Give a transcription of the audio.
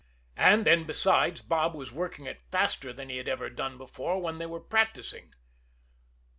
And then, besides, Bob was working it faster than he had ever done before when they were practising.